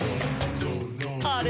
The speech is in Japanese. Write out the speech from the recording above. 「あれ？